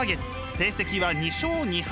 成績は２勝２敗。